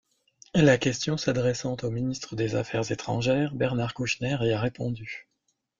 La question s'adressant au ministre des Affaires étrangères, Bernard Kouchner y a répondu.